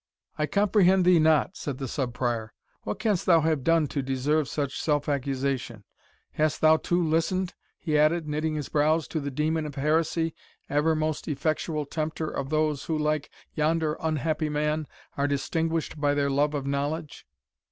"I comprehend thee not," said the Sub Prior. "What canst thou have done to deserve such self accusation? Hast thou too listened," he added, knitting his brows, "to the demon of heresy, ever most effectual tempter of those, who, like yonder unhappy man, are distinguished by their love of knowledge?"